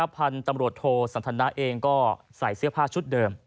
พันธุ์ตำรวจโทสันทนาเองก็ใส่เสื้อผ้าชุดเดิม